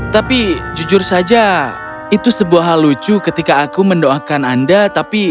tapi jujur saja itu sebuah hal lucu ketika aku mendoakan anda tapi